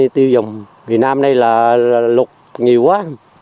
tiêu dùng việt nam đây là lột nhiều quá